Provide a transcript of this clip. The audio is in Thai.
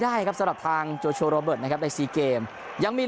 ได้ครับสำหรับทางโจโชโรเบิร์ตนะครับในซีเกมยังมี